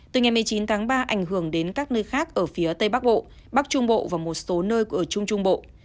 từ ngày một mươi chín tháng ba ảnh hưởng đến các nơi khác ở phía tây bắc bộ bắc trung bộ và một số nơi của trung trung bộ